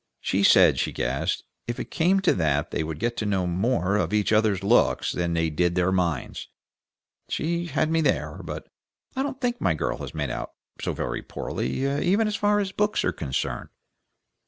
She said she guessed if it came to that they would get to know more of each other's looks than they did of their minds. She had me there, but I don't think my girl has made out so very poorly even as far as books are concerned."